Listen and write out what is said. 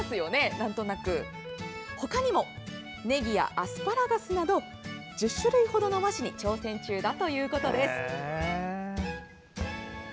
ほかにもネギやアスパラガスなど１０種類ほどの和紙に挑戦中だということです。